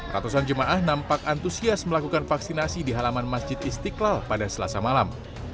ratusan jemaah nampak antusias melakukan vaksinasi di halaman masjid istiqlal pada selasa malam